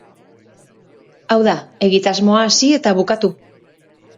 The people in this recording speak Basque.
Hau da, egitasmoa hasi eta bukatu.